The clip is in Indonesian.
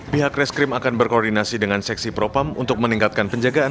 pihak reskrim akan berkoordinasi dengan seksi propam untuk meningkatkan penjagaan